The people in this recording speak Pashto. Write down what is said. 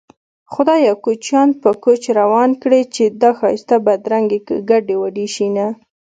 خدايه کوچيان په کوچ روان کړې چې دا ښايسته بدرنګې ګډې وډې شينه